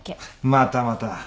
またまた。